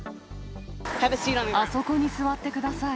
あそこに座ってください。